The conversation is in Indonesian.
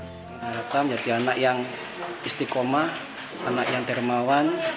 mereka menjadi anak yang istikomah anak yang termawan